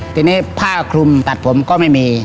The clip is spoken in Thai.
ทีนี้ผ้าคลุมตัดผมก็ไม่มี